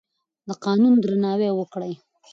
د قانون درناوی وکړئ.